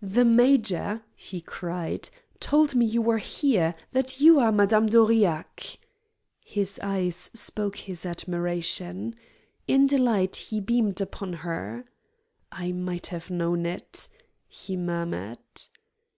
"The major," he cried, "told me you were here, that you are Madame d'Aurillac." His eyes spoke his admiration. In delight he beamed upon her. "I might have known it!" he murmured.